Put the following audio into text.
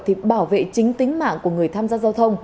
thì bảo vệ chính tính mạng của người tham gia giao thông